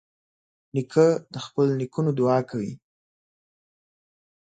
نیکه د خپلو نیکونو دعا کوي.